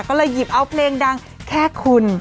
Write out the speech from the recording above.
ก็เลยหยิบเอาเพลงดังแค่คุณ